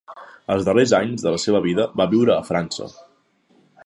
Els darrers anys de la seva vida va viure a França.